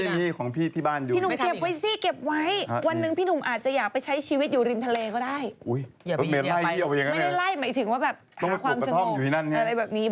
มีความสนุกอะไรแบบนี้บ้าง